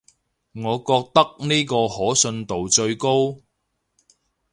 我覺得呢個可信度最高